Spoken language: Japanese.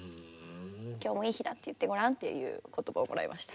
「今日もいい日だ」って言ってごらんという言葉をもらいました。